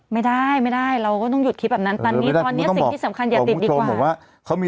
ไม่ได้เราก็ต้องหยุดคิดแบบนั้นตอนนี้